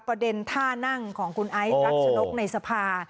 ประเด็นท่านั่งของคุณไอซ์รักษนกในสภา